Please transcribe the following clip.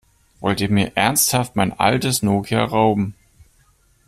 Wollt ihr mir ernsthaft mein altes Nokia rauben?